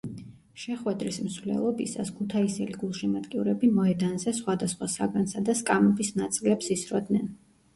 შეხვედრის მსვლელობისას ქუთაისელი გულშემატკივრები მოედანზე სხვადასხვა საგანსა და სკამების ნაწილებს ისროდნენ.